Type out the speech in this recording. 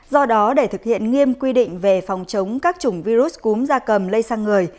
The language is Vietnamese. do đó để thực hiện nghiêm quy định về phòng chống các chủng virus cúm da cầm lây sang người